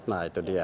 nah itu dia